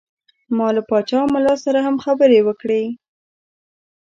ما له پاچا ملا سره هم خبرې وکړې.